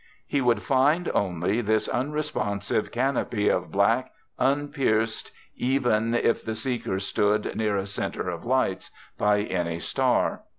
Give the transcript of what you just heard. He would find only this unresponsive canopy of black, unpierced even, if the seeker stood near a centre of lights, by any star.